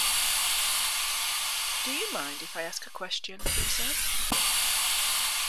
D'you mind if I ask a question, Princess?